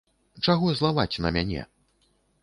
Чаго злаваць на мяне?